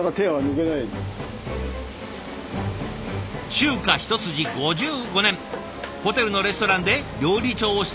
中華一筋５５年ホテルのレストランで料理長をしていた保永さん。